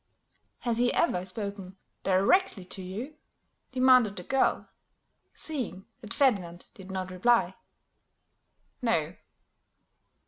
"Has he ever spoken directly to you?" demanded the girl, seeing that Ferdinand did not reply. "No."